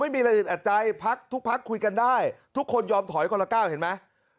ไม่มีระดิษฐ์อัดใจทุกภาคคุยกันได้ทุกคนยอมถอยคนละก้าวเห็นมั้ย